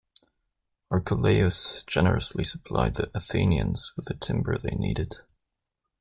Archelaus generously supplied the Athenians with the timber they needed.